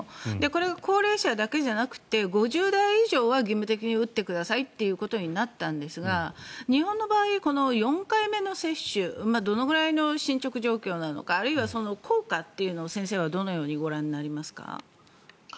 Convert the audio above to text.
これが高齢者だけじゃなくて５０代以上は義務的に打ってくださいとなったんですが日本の場合、４回目の接種どのぐらいの進ちょく状況なのかあるいは効果というのを先生はどのようにご覧になりますか？